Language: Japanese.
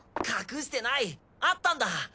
隠してない！あったんだ！